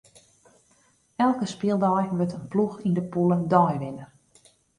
Elke spyldei wurdt in ploech yn de pûle deiwinner.